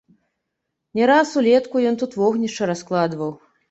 Не раз улетку ён тут вогнішча раскладваў.